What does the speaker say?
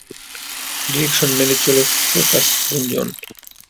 Direction মেনে চলো focus, গুঞ্জন!